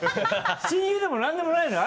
親友でも何でもないんだよ。